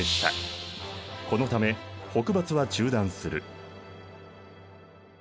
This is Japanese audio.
このため北伐は中断する。